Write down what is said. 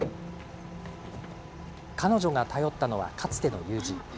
彼女が頼ったのは、かつての友人。